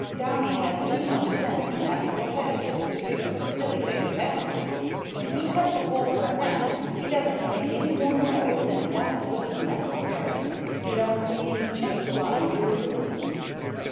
Downy has too much sense in that little head of his to do such a silly thing as that. When he cuts a hole for a nest he doesn't make any more noise than is absolutely necessary. You don't see any chips flying, do you?"